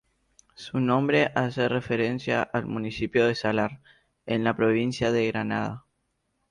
Su nombre hace referencia al municipio de Salar, en la provincia de Granada.